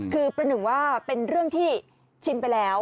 คือประหนึ่งว่าเป็นเรื่องที่ชินไปแล้ว